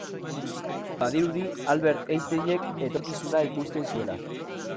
Badirudi Albert Einsteinek etorkizuna ikusten zuela.